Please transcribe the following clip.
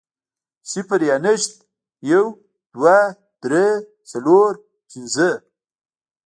صفر يا نشت, يو, دوه, درې, څلور, پنځه